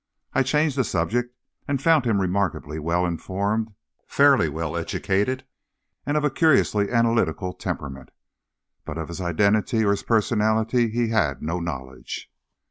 I changed the subject, and found him remarkably well informed, fairly well educated, and of a curiously analytical temperament, but of his identity or his personality he had no knowledge.